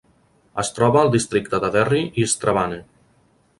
Es troba al districte de Derry i Strabane.